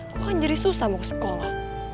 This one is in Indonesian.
gue anjir susah mau ke sekolah